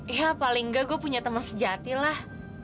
ya paling gak gue punya temen sejati lah